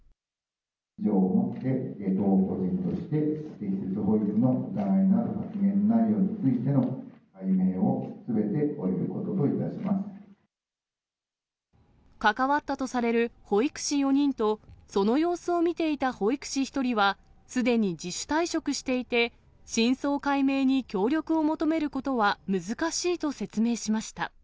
以上をもって当法人として不適切保育の疑いのある発言内容についての解明をすべて終えること関わったとされる保育士４人と、その様子を見ていた保育士１人は、すでに自主退職していて、真相解明に協力を求めることは難しいと説明しました。